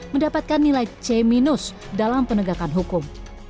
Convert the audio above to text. mendapatkan nilai c dalam penegakan hukum